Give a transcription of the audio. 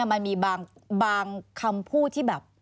มันมีบางคำพูดที่แบบ